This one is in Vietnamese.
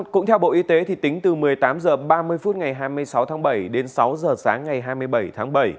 cũng theo bộ y tế thì tính từ một mươi tám h ba mươi phút ngày hai mươi sáu tháng bảy đến sáu h sáng ngày hai mươi bảy tháng bảy